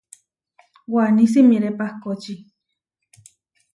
Waní simiré pahkóči.